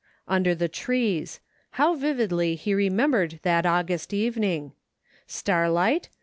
Under the trees; how vividly he refnembered that August evening ! Starlight